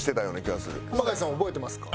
熊谷さん覚えてますか？